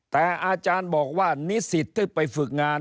แต่อาจารย์บอกว่านิสิตที่ไปฝึกงาน